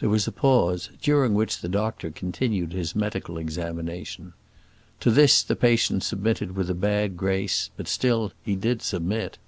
There was a pause, during which the doctor continued his medical examination. To this the patient submitted with a bad grace; but still he did submit.